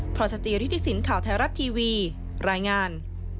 พรชจิริทศิลป์ข่าวไทยรัฐทีวีรายงาน